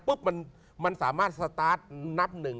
ปุ๊บมันสามารถสตาร์ทนับหนึ่ง